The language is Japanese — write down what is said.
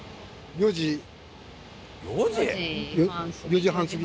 ４時半過ぎ。